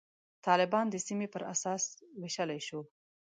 طالبان د سیمې پر اساس ویشلای شو.